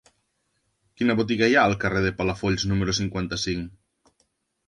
Quina botiga hi ha al carrer de Palafolls número cinquanta-cinc?